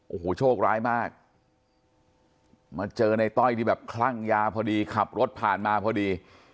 โอ้โหโชคร้ายมากมาเจอในต้อยที่แบบคลั่งยาพอดีขับรถผ่านมาพอดี